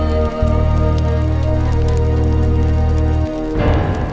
baiklah sekarang aku harus pergi